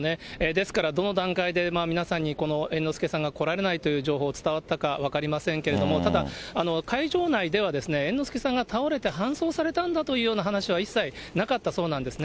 ですからどの段階で、皆さんにこの猿之助さんが来られないという情報が伝わったか分かりませんけれども、ただ、会場内では猿之助さんが倒れて搬送されたんだというような話は一切なかったそうなんですね。